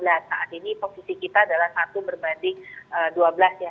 nah saat ini posisi kita adalah satu berbanding dua belas ya